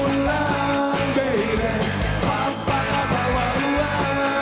nyari paku kesana